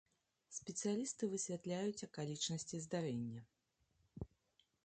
Спецыялісты высвятляюць акалічнасці здарэння.